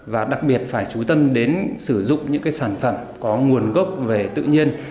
và đặc biệt phải chú tâm đến sử dụng những sản phẩm có nguồn gốc về tự nhiên